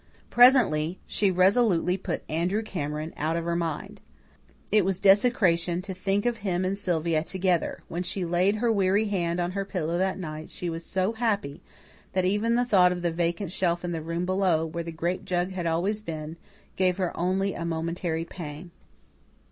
Presently, she resolutely put Andrew Cameron out of her mind. It was desecration to think of him and Sylvia together. When she laid her weary head on her pillow that night she was so happy that even the thought of the vacant shelf in the room below, where the grape jug had always been, gave her only a momentary pang.